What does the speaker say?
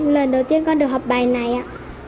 lần đầu tiên con được học bài này ạ